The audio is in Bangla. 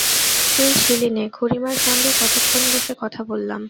তুই ছিলিনে, খুড়িমার সঙ্গে কতক্ষণ বসে কথা বললাম।